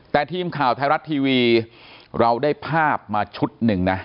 แต่ทีมข่าวไทยรัฐทีวีเราได้ภาพมาชุดหนึ่งนะ